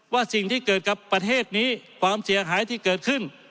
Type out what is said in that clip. สิ่งที่เกิดกับประเทศนี้ความเสียหายที่เกิดขึ้น